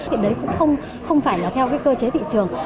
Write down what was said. hiện đấy cũng không phải là theo cái cơ chế thị trường